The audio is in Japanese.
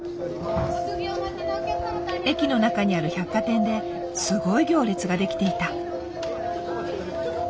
駅の中にある百貨店ですごい行列が出来ていた。